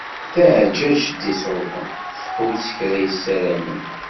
Taɛeǧǧaǧt i d-iṣuḍen thudd s kra i ssaramen.